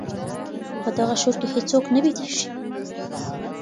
په دغه شور کي هیڅوک نه بېدېږي.